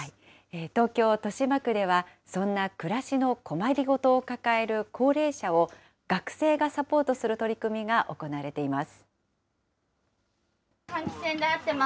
東京・豊島区では、そんな暮らしの困りごとを抱える高齢者を、学生がサポートする取り組みが行われています。